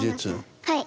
はい。